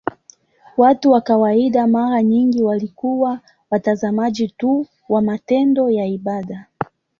Watu wa kawaida mara nyingi walikuwa watazamaji tu wa matendo ya ibada.